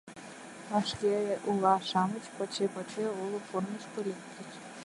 Вашке ула-шамыч поче-поче олык корнышко лектыч.